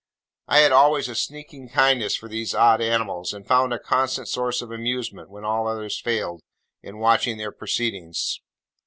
I had always a sneaking kindness for these odd animals, and found a constant source of amusement, when all others failed, in watching their proceedings.